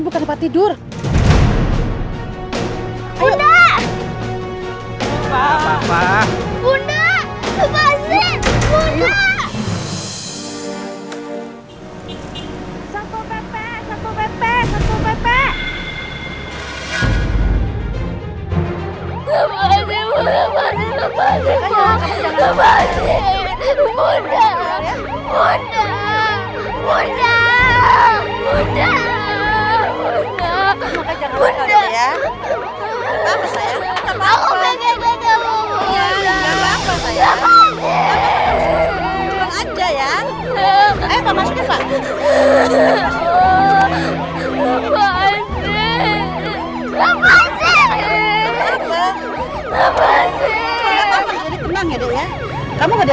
bunda tolong diberikan bunda